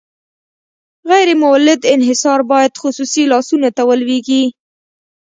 غیر مولد انحصار باید خصوصي لاسونو ته ولویږي.